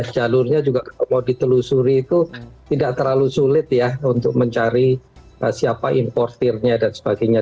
jalurnya juga kalau ditelusuri itu tidak terlalu sulit ya untuk mencari siapa importirnya dan sebagainya